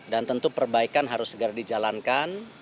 dan tentu perbaikan harus segera dijalankan